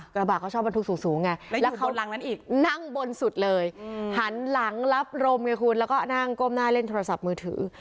กระบะเขาชอบบรรทุกสูงไงแล้วเขาหลังนั้นอีกนั่งบนสุดเลยหันหลังรับรมไงคุณแล้วก็นั่งก้มหน้าเล่นโทรศัพท์มือถือ